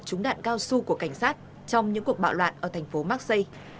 trúng đạn cao su của cảnh sát trong những cuộc bạo loạn ở thành phố marksi